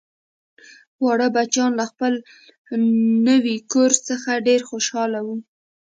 واړه بچیان له خپل نوي کور څخه ډیر خوشحاله وو